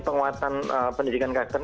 penguatan pendidikan karakter